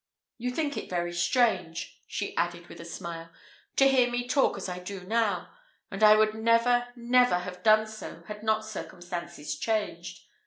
You think it very strange," she added, with a smile, "to hear me talk as I do now; and I would never, never have done so had not circumstances changed.